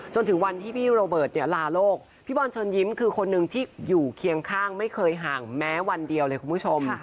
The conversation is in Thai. จนถึงวันที่พี่โรเบิร์ตเนี่ยลาโลกพี่บอลเชิญยิ้มคือคนหนึ่งที่อยู่เคียงข้างไม่เคยห่างแม้วันเดียวเลยคุณผู้ชม